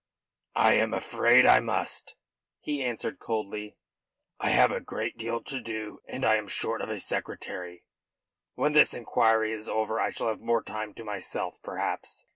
"I am afraid I must," he answered coldly. "I have a great deal to do, and I am short of a secretary. When this inquiry is over I shall have more time to myself, perhaps."